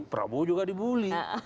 prabowo juga dibully